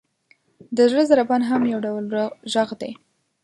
• د زړه ضربان هم یو ډول ږغ دی.